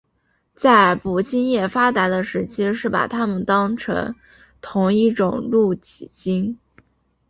在捕鲸业发达的时期是把它们当成同一种露脊鲸。